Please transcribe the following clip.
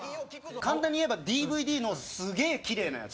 簡単に言えばＤＶＤのすげえキレイなやつ。